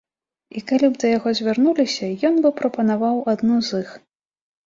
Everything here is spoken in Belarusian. І калі б да яго звярнуліся, ён бы прапанаваў адну з іх.